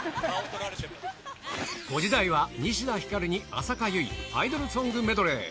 ５時台は、西田ひかるに浅香唯、アイドルソングメドレー。